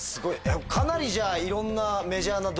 かなりじゃあいろんな。